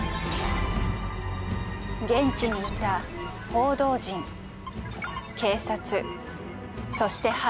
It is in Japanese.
現地にいた報道陣警察そして犯人。